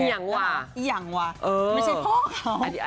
อีหยังว่ะอีหยังว่ะไม่ใช่พ่อเขา